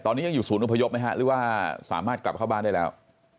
ตอนนี้ยังอยู่ศูนย์อพยพไหมฮะหรือว่าสามารถกลับเข้าบ้านได้แล้ว